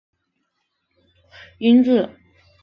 因治所在宛而得名。